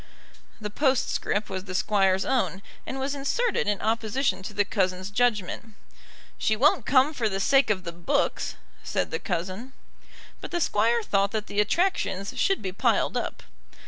The postscript was the Squire's own, and was inserted in opposition to the cousin's judgment. "She won't come for the sake of the books," said the cousin. But the Squire thought that the attractions should be piled up.